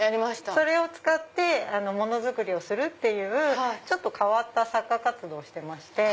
それを使って物作りをするっていうちょっと変わった作家活動してまして。